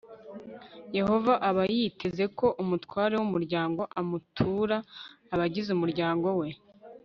yehova aba yiteze ko umutware w umuryango amutura abagize umuryango we